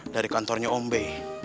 dari kantornya ombe